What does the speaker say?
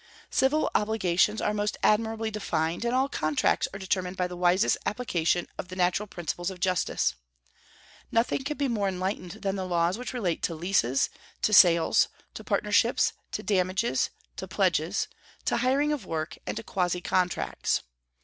Civil obligations are most admirably defined, and all contracts are determined by the wisest application of the natural principles of justice. Nothing can be more enlightened than the laws which relate to leases, to sales, to partnerships, to damages, to pledges, to hiring of work, and to quasi contracts.